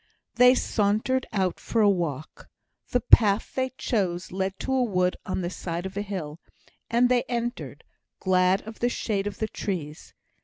They sauntered out for a walk. The path they chose led to a wood on the side of a hill, and they entered, glad of the shade of the trees.